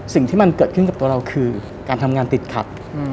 สิ่งที่มันเกิดขึ้นกับตัวเราคือการทำงานติดขัด